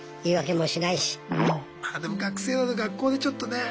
なんかでも学生は学校でちょっとね。